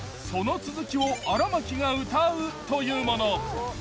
その続きを荒牧が歌うというもの。